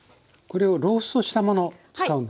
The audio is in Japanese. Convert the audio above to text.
これをローストしたもの使うんですね。